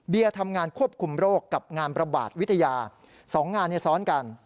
ทำงานควบคุมโรคกับงานประบาดวิทยา๒งานซ้อนกัน